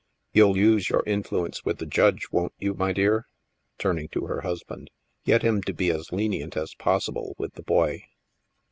You'll use your in fluence with the Judge, won't you, my dear? " (turn ing to her husband) ;" get him to be as lenient as possible with the boy."